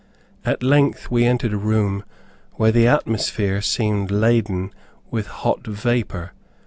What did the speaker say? At length we entered a room where the atmosphere seemed laden with hot vapor.